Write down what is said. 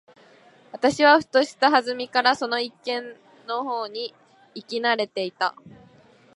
私はふとした機会（はずみ）からその一軒の方に行き慣（な）れていた。